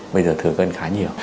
bây giờ thừa cân khá nhiều